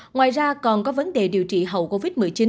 ngoài ra còn có vấn đề điều trị hậu covid một mươi chín